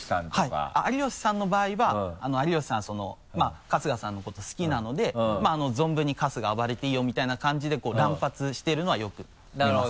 はい有吉さんの場合は有吉さんその春日さんのこと好きなので存分に「春日暴れていいよ」みたいな感じでこう乱発してるのはよく見ます。